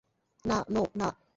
না, নো, না।